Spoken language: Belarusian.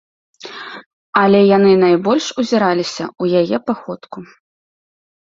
Але яны найбольш узіраліся ў яе паходку.